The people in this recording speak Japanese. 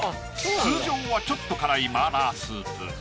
通常はちょっと辛い麻辣スープ